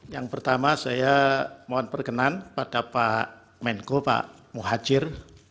yang pertama saya mohon perkenan pada pak menko pak muhajir